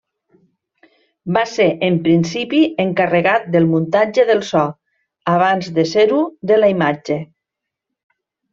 Va ser en principi encarregat del muntatge del so abans de ser-ho de la imatge.